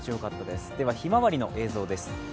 「ひまわり」の映像です。